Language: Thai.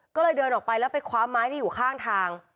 ก็เลยเดินออกไปแล้วไปคว้าไม้ที่อยู่ข้างทาง